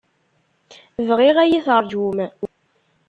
Bɣiɣ ad yi-terjum.